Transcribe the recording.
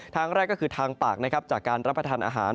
ทางแรกก็คือทางปากนะครับจากการรับประทานอาหาร